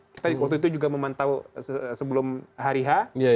kita waktu itu juga memantau sebelum hari h